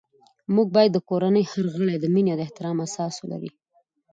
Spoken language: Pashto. موږ باید د کورنۍ هر غړی د مینې او احترام احساس ولري